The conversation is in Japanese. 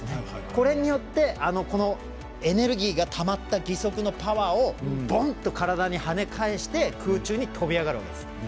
これによってエネルギーがたまった義足のパワーをボンッと体に跳ね返して空中に飛び上がるわけです。